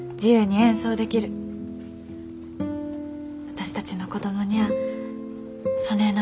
私たちの子供にゃあそねえな